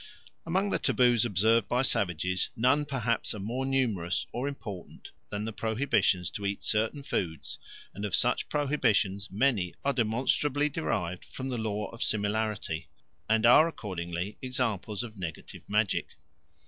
Among the taboos observed by savages none perhaps are more numerous or important than the prohibitions to eat certain foods, and of such prohibitions many are demonstrably derived from the law of similarity and are accordingly examples of negative magic.